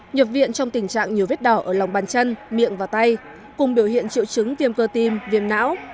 nhập viện trong tình trạng nhiều vết đỏ ở lòng bàn chân miệng và tay cùng biểu hiện triệu chứng viêm cơ tim viêm não